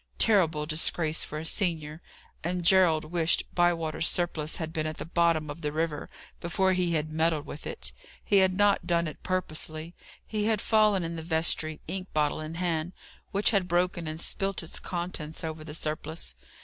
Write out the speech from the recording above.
Terrible disgrace for a senior! and Gerald wished Bywater's surplice had been at the bottom of the river before he had meddled with it. He had not done it purposely. He had fallen in the vestry, ink bottle in hand, which had broken and spilt its contents over the surplice.